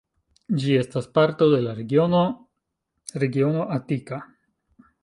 Ĝi estas parto de la regiono regiono Atika.